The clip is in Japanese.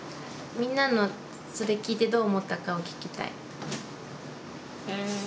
みんなのそれ聞いてどう思ったかを聞きたい。